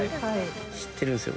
知ってるんすよ